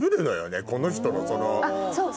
この人のその。